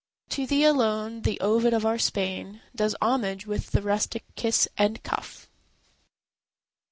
To thee alone the Ovid of our Spain Does homage with the rustic kiss and cuff.